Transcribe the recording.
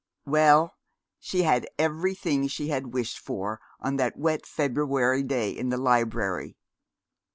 Well, she had everything that she had wished for on that wet February day in the library.